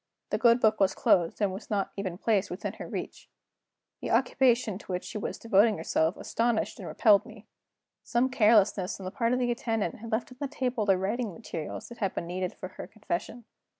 The good book was closed and was not even placed within her reach. The occupation to which she was devoting herself astonished and repelled me. Some carelessness on the part of the attendant had left on the table the writing materials that had been needed for her confession.